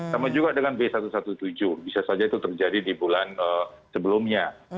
sama juga dengan b satu ratus tujuh belas bisa saja itu terjadi di bulan sebelumnya